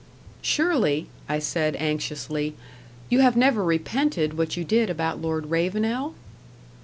"Surely," I said anxiously, "you have never repented what you did about Lord Ravenel?"